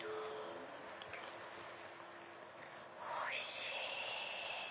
おいしい。